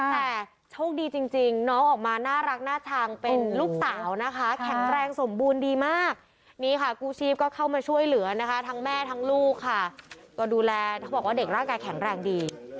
แต่โชคดีจริงน้องออกมาน่ารักน่าชังเป็นลูกสาวนะคะแข็งแรงสมบูรณ์ดีมากนี่ค่ะกู้ชีพก็เข้ามาช่วยเหลือนะคะทั้งแม่ทั้งลูกค่ะก็ดูแลเขาบอกว่าเด็กร่างกายแข็งแรงดี